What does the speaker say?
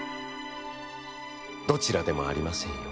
「どちらでもありませんよ。